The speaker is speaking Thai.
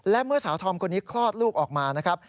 และเมื่อสาวธอมคนนี้คลอดลูกออกมานะครับ